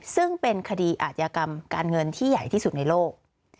ซึ่งเป็นคดีอาจยากรรมการเงินที่ใหญ่ที่สุดในโลก